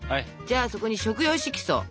じゃあそこに食用色素。